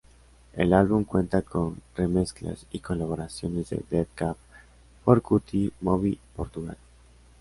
El álbum cuenta con remezclas y colaboraciones de Death Cab for Cutie, Moby, Portugal.